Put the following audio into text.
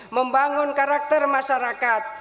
membangun karakter masyarakat